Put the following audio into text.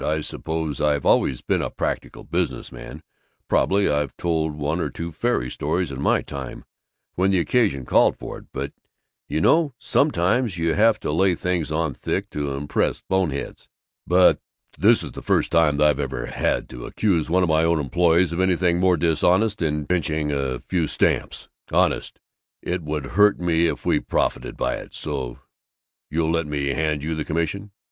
I suppose I've always been a Practical Business Man. Probably I've told one or two fairy stories in my time, when the occasion called for it you know: sometimes you have to lay things on thick, to impress boneheads. But this is the first time I've ever had to accuse one of my own employees of anything more dishonest than pinching a few stamps. Honest, it would hurt me if we profited by it. So you'll let me hand you the commission?